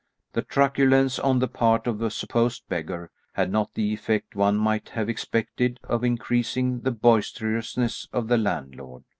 This truculence on the part of a supposed beggar had not the effect one might have expected of increasing the boisterousness of the landlord.